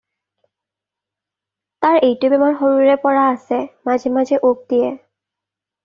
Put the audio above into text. তাৰ এইটো বেমাৰ সৰুৰে পৰা আছে, মাজে মাজে উক দিয়ে।